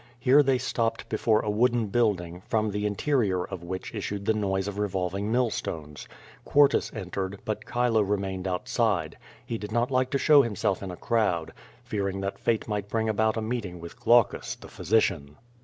Here they stopped before QUO VADI8, 137 a wooden building, from the interior of which issued the noise of revolving mill stones. Quartus entered, but Chilo re mained outside. He did not like to show himself in a crowd, fearing that fate might bring about a meeting with Glaucus, the physician.